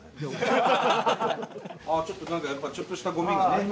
あちょっと何かやっぱりちょっとしたゴミがね。